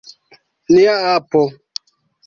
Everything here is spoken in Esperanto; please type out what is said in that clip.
Nia apo!